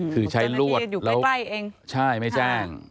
คือใช้ลวดใช่มั้ยแจ้ง